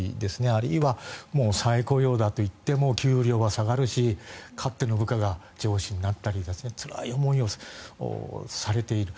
あるいは再雇用だといっても給料は下がるしかつての部下が上司になったりつらい思いをされている。